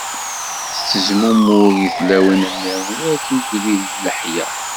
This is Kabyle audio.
Tettezmumug i tlawin-niḍen war tuggdi d leḥya.